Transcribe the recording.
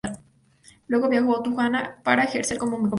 Luego viajó a Tunja para ejercer como comerciante.